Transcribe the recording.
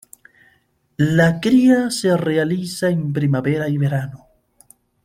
La cría se realiza en primavera y verano.